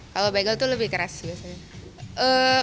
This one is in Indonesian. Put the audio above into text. kalau bagel itu lebih keras biasanya